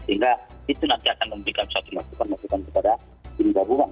sehingga itu nanti akan memberikan suatu masukan masukan kepada tim gabungan